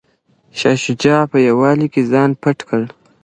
شاه شجاع په ویالې کې ځان پټ کړ.